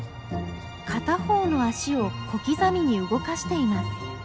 片方の足を小刻みに動かしています。